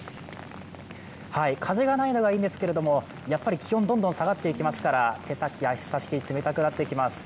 風がないのがいいんですがやっぱり気温どんどん下がっていきますから、手先、足先、冷たくなってきます。